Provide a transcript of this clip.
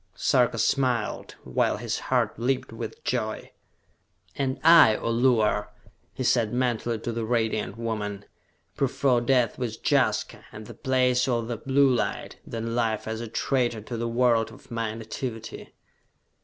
Sarka smiled, while his heart leaped with joy. "And I, O Luar," he said mentally to the Radiant Woman, "prefer death with Jaska, at the Place of the Blue Light, than life as a traitor to the world of my nativity!"